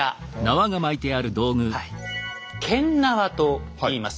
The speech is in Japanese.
「間縄」といいます。